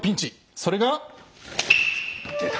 それが出た。